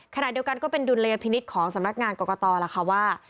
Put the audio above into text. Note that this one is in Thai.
ขณะเดียวกันก็เป็นดุลยพินิษฐ์ของสำนักงานกรกตล่ะค่ะว่า